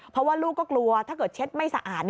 เพราะว่าลูกก็กลัวถ้าเกิดเช็ดไม่สะอาด